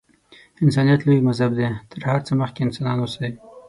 انسانیت لوی مذهب دی. تر هر څه مخکې انسانان اوسئ.